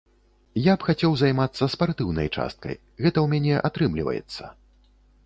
Я б хацеў займацца спартыўнай часткай, гэта ў мяне атрымліваецца.